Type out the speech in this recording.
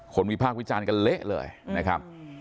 วิพากษ์วิจารณ์กันเละเลยนะครับ